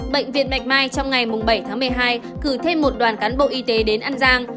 bệnh viện bạch mai trong ngày bảy tháng một mươi hai cử thêm một đoàn cán bộ y tế đến an giang